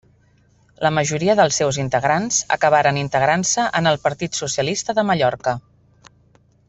La majoria dels seus integrants acabaren integrant-se en el Partit Socialista de Mallorca.